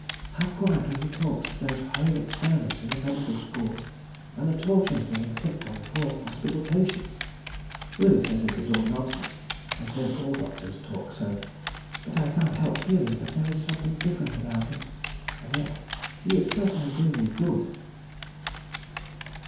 How quietly he talks of those horrid experiments in the medical schools, and the tortures they inflict on the poor hospital patients. Willie says it is all nonsense, and says all doctors talk so; but I can't help feeling that there is something different about him. And yet he is certainly doing me good.